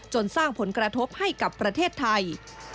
สร้างผลกระทบให้กับประเทศไทย